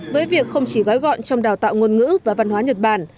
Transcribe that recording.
với việc không chỉ gói gọn trong đào tạo ngôn ngữ và văn hóa nhật bản